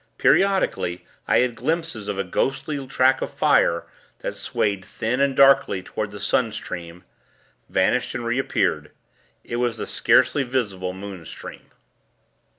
Periodically, I had glimpses of a ghostly track of fire that swayed thin and darkly toward the sun stream; vanished and reappeared. It was the scarcely visible moon stream.